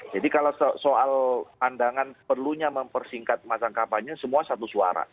jadi kalau soal pandangan perlunya mempersingkat masa kampanye semua satu suara